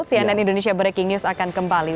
cnn indonesia breaking news akan kembali